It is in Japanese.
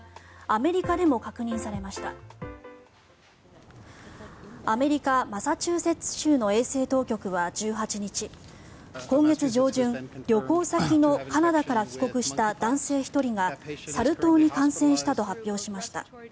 アメリカ・マサチューセッツ州の衛生当局は１８日今月上旬、旅行先のカナダから帰国した男性１人がサル痘に感染したと発表しました。